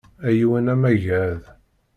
A yiwen amagad!